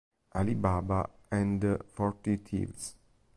Ali Baba and the Forty Thieves